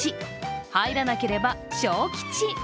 入らなければ小吉。